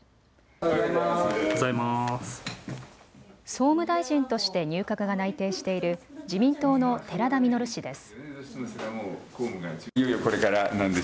総務大臣として入閣が内定している自民党の寺田稔氏です。